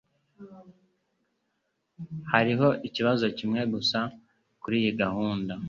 Hariho ikibazo kimwe gusa kuriyi gahunda.